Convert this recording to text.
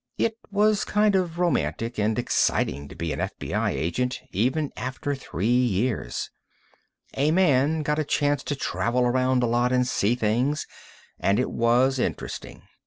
It was kind of romantic and exciting to be an FBI agent, even after three years. A man got a chance to travel around a lot and see things, and it was interesting.